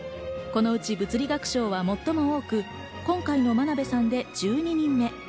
物理学賞は最も多く今回の真鍋さんで１２人目。